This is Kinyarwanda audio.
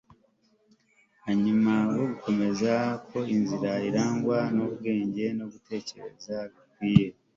hanyuma kubwo gukomeza iyo nzira irangwa n'ubwenge no gutekereza bikwiriye